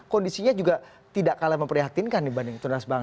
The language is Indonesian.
kondisinya juga tidak kalah memprihatinkan